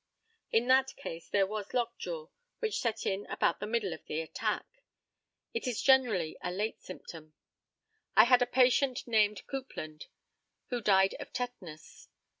] In that case there was lockjaw, which set in about the middle of the attack. It is generally a late symptom. I had a patient named Coupland who died of tetanus.